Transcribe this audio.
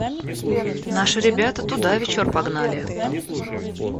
Наши ребята туда вечор погнали.